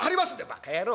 「バカ野郎。